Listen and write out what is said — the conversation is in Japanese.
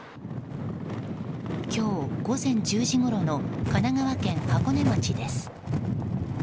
今日午前１０時ごろの神奈川県箱根町です。